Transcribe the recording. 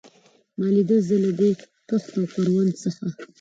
ما لیده، زه له دې کښت او کروندو څخه.